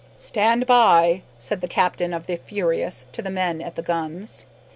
"Stand by," said the captain of the "Furious" to the men at the guns.